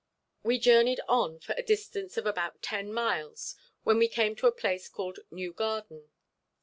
We journeyed on for a distance of about ten miles when we came to a place called New Garden.